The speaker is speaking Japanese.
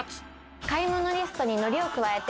買い物リストにのりを加えて。